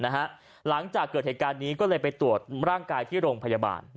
หลังจากเกิดเหตุการณ์นี้ก็เลยไปตรวจร่างกายที่โรงพยาบาล